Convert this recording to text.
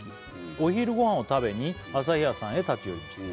「お昼ごはんを食べに朝日屋さんへ立ち寄りました」